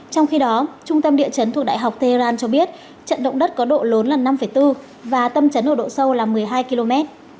trong khi đó trung tâm địa chấn thuộc đại học tehran cho biết trận động đất có độ lớn là năm bốn và tâm trấn ở độ sâu là một mươi hai km